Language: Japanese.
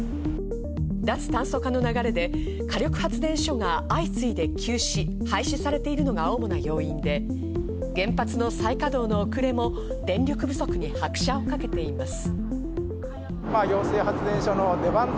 脱炭素化の流れで、火力発電所が相次いで休止廃止されているのが主な要因で、原発の再稼働の遅れも電力不足に拍車をかけています。